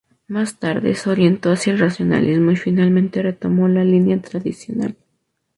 Más tarde se orientó hacia el Racionalismo y finalmente retomó la "línea tradicional".